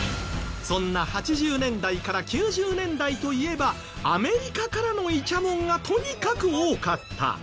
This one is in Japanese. そんな８０年代から９０年代といえばアメリカからのイチャモンがとにかく多かった。